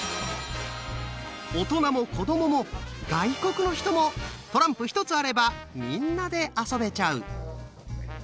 大人も子どもも外国の人もトランプ一つあればみんなで遊べちゃう！